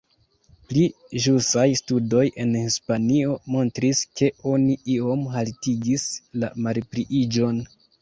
Pli ĵusaj studoj en Hispanio montris, ke oni iom haltigis la malpliiĝon.